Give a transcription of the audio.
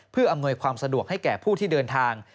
เพื่ออำนวยความสะดวกให้แก่ผู้ที่เดินทาง